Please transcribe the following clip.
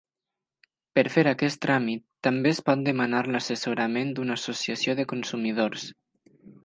Per fer aquest tràmit també es pot demanar l'assessorament d'una associació de consumidors.